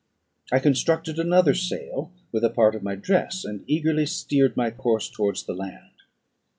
I constructed another sail with a part of my dress, and eagerly steered my course towards the land.